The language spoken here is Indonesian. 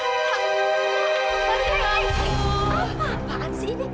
apaan sih ini